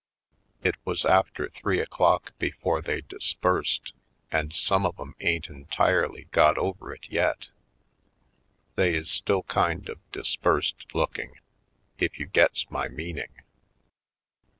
It was after three o'clock before they dispersed and some of 'em ain't entirely got over it yet — they is still kind of dispersed looking, if you gets my meaning.